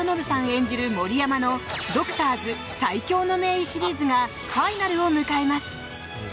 演じる森山の「ＤＯＣＴＯＲＳ最強の名医」シリーズがファイナルを迎えます。